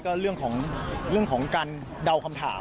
ก็เรื่องของการเดาคำถาม